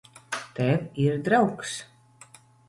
Tev ir draugs.